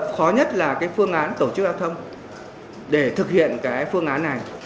khó nhất là phương án tổ chức giao thông để thực hiện phương án này